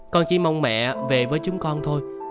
con chỉ mong mẹ về với chúng con thôi